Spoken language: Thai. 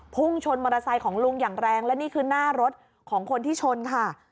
พุ่งชนมอเตอร์ไซค์ของลุงอย่างแรงและนี่คือหน้ารถของคนที่ชนค่ะ